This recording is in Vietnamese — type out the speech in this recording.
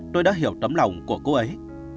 tôi đã hiểu tấm lòng của cô ấy